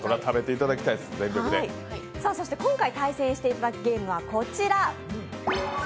そして今回対戦していただくゲームはこちら。